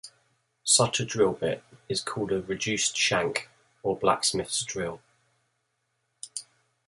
Such a drill bit is called a reduced-shank or blacksmith's drill.